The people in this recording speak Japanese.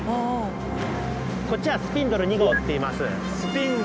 こっちは「スピンドル２号」っていいます。